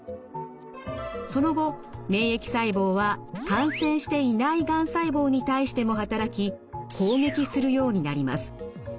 その後免疫細胞は感染していないがん細胞に対しても働き攻撃するようになります。